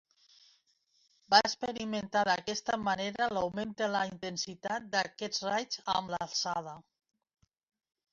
Va experimentar d'aquesta manera l'augment de la intensitat d'aquests raigs amb l'alçada.